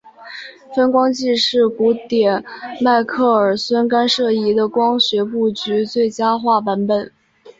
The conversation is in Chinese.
分光计是古典迈克耳孙干涉仪的光学布局最佳化版本。